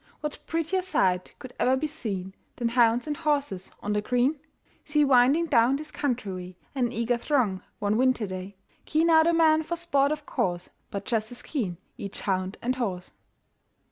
What prettier sight could e'er be seen Than hounds and horses on the green? See winding down this country way An eager throng one winter day. Keen are the men for sport of course, But just as keen each hound and horse.